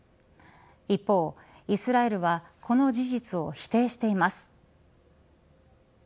一方、イスラエルはこの事実を否定しています。